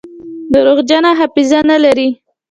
درواغجن حافظه نلري.